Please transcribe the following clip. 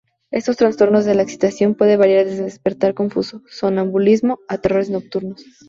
Estos trastornos de la excitación puede variar desde despertar confuso, sonambulismo, a terrores nocturnos.